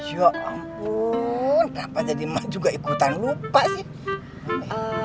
ya ampun kenapa jadi emak juga ikutan lupa sih